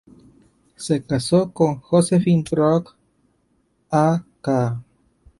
Se casó con Josephine Brock a.k.a.